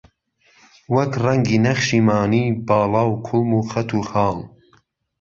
وەک ڕەنگی نەخشی مانی، باڵا و کوڵم و خەت و خاڵ